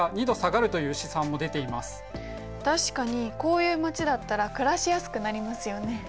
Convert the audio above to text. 確かにこういう街だったら暮らしやすくなりますよね。